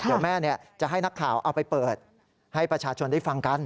เดี๋ยวแม่จะให้นักข่าวเอาไปเปิดให้ประชาชนได้ฟังกัน